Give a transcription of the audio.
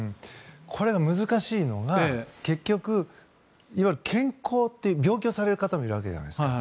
これが難しいのが結局、いわゆる健康って病気をされる方もいらっしゃるわけじゃないですか。